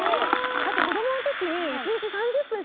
だって子供の時に。